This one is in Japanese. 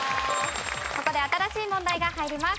ここで新しい問題が入ります。